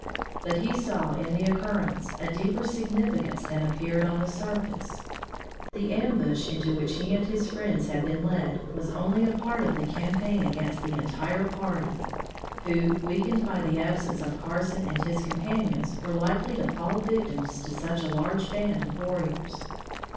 But he saw in the occurrence a deeper significance than appeared on the surface. The ambush into which he and his friends had been led was only a part of the campaign against the entire party, who, weakened by the absence of Carson and his companions were likely to fall victims to such a large band of warriors.